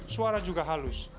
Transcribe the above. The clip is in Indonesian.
suara juga halus